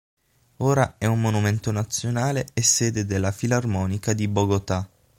Ora è un monumento nazionale e sede della Filarmonica di Bogotà.